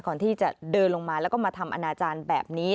ก่อนที่จะเดินลงมาแล้วก็มาทำอนาจารย์แบบนี้